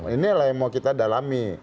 inilah yang mau kita dalami